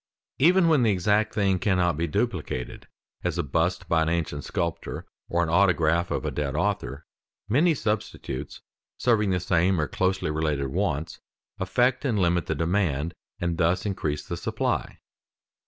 Even when the exact thing cannot be duplicated, as a bust by an ancient sculptor or an autograph of a dead author, many substitutes serving the same or closely related wants, affect and limit the demand, and thus increase the supply.